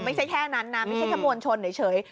ไม่ใช่แค่นั้นนะไม่ใช่แค่มวลชนเฉย